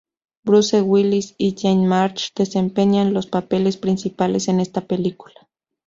Bruce Willis y Jane March desempeñan los papeles principales en esta película.